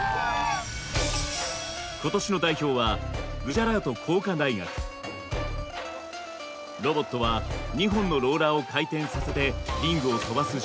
今年の代表はロボットは２本のローラーを回転させてリングを飛ばす仕組み。